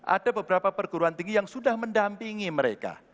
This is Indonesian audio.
ada beberapa perguruan tinggi yang sudah mendampingi mereka